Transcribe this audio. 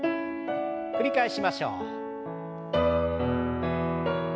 繰り返しましょう。